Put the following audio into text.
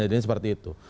jadi seperti itu